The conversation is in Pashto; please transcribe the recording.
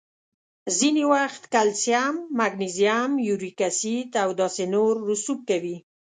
ځینې وخت کلسیم، مګنیزیم، یوریک اسید او داسې نور رسوب کوي.